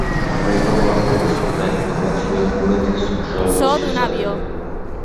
ყრილობამ მოისმინა ინფორმაცია „ჰუმეთის“ მუშაობის შესახებ.